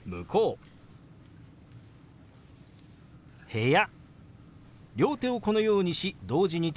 「部屋」。